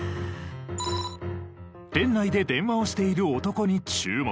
店内で電話をしている男に注目。